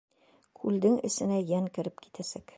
Күлдең эсенә йән кереп китәсәк.